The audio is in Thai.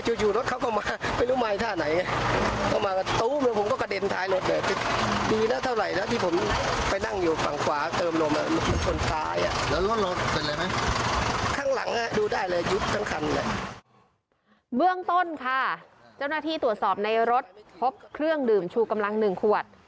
เจ้าหน้าที่ตรวจสอบในรถพบเครื่องดื่มชูกำลัง๑ขวด